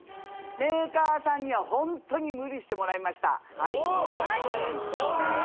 メーカーさんにはホントに無理してもらいましたはいおっそうなの？